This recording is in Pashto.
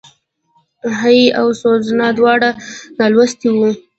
هېي او سوزانا دواړه نالوستي وو.